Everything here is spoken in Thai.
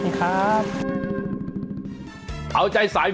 ปู่พญานาคี่อยู่ในกล่อง